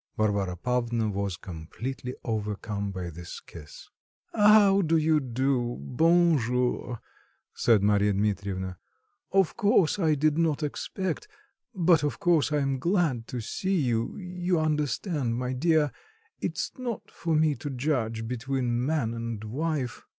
Varvara Pavlovna was completely overcome by this kiss. "How do you do, bonjour," said Marya Dmitrievna. "Of course I did not expect... but, of course, I am glad to see you. You understand, my dear, it's not for me to judge between man and wife"...